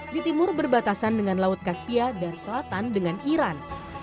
di timur berbatasan dengan laut kaspia dan selatan dengan iran